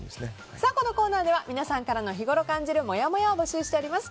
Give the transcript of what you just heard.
このコーナーでは皆さんからの日ごろ感じるもやもやを募集しております。